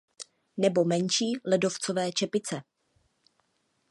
Nebo menší ledovcové čepice.